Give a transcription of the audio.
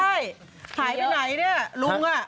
ใช่หายที่ไหนเนี่ยรุง